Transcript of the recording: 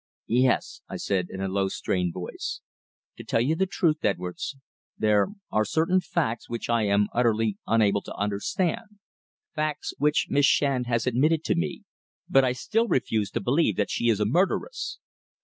"Yes," I said, in a low, strained voice. "To tell you the truth, Edwards, there are certain facts which I am utterly unable to understand facts which Miss Shand has admitted to me. But I still refuse to believe that she is a murderess."